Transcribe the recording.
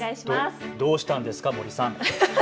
どうしたんですか、森さん。